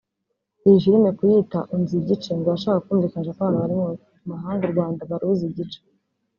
Iyi Filme kuyita “Unzi Igice” ngo yashakaga kumvikanisha ko abantu bari mu mahanga u Rwanda baruzi igice